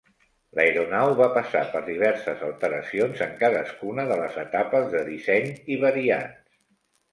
L'aeronau va passar per diverses alteracions en cadascuna de les etapes de disseny i variants.